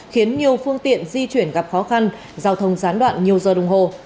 khiến nhiều phương tiện di chuyển gặp khó khăn giao thông gián đoạn nhiều giờ đồng hồ